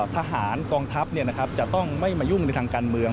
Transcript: ทหารกองทัพจะต้องไม่มายุ่งในทางการเมือง